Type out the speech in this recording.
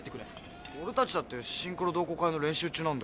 俺たちだってシンクロ同好会の練習中なんだよ。